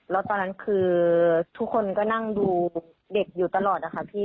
แล้วตอนนั้นคือทุกคนก็นั่งดูเด็กอยู่ตลอดนะคะพี่